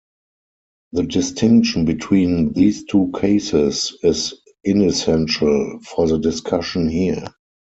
The distinction between these two cases is inessential for the discussion here.